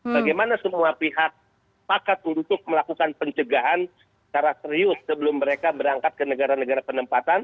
bagaimana semua pihak pakat untuk melakukan pencegahan secara serius sebelum mereka berangkat ke negara negara penempatan